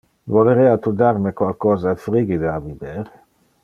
Volerea tu dar me qualcosa frigide a biber?